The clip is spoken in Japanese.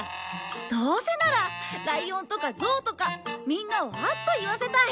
どうせならライオンとかゾウとかみんなをあっと言わせたい！